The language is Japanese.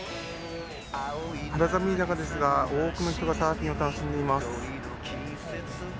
肌寒い中ですが、多くの人がサーフィンを楽しんでいます。